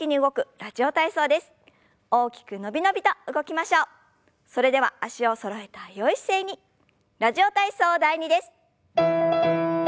「ラジオ体操第２」です。